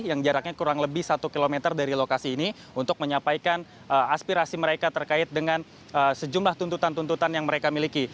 yang jaraknya kurang lebih satu km dari lokasi ini untuk menyampaikan aspirasi mereka terkait dengan sejumlah tuntutan tuntutan yang mereka miliki